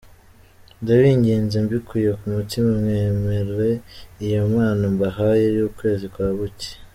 Ndabinginze mbikuye ku mutima mwemere iyi mpano mbahaye y’ukwezi kwa buki.